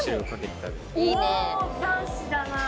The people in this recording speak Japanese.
お男子だな。